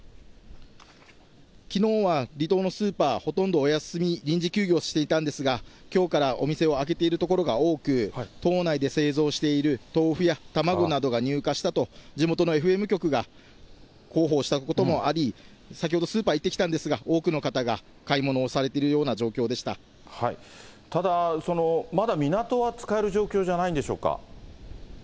きのうは離島のスーパー、ほとんどお休み、臨時休業していたんですが、きょうからお店を開けている所が多く、島内で製造している豆腐や卵などが入荷したと、地元のＦＭ局が広報したこともあり、先ほど、スーパー、行ってきたんですが、多くの方が買い物をされているような状況でただ、まだ港は使える状況じゃないんでしょうか。